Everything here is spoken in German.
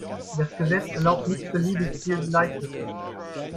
Das Gesetz erlaubt nicht beliebig viel Bleichmittel.